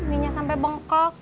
mienya sampai bengkok